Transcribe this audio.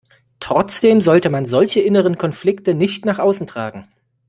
Trotzdem sollte man solche inneren Konflikte nicht nach außen tragen.